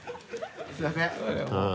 すみません。